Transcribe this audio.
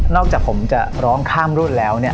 อกจากผมจะร้องข้ามรุ่นแล้วเนี่ย